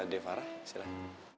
de farah silah